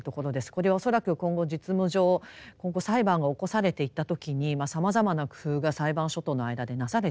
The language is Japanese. これは恐らく今後実務上今後裁判が起こされていった時にさまざまな工夫が裁判所との間でなされてですね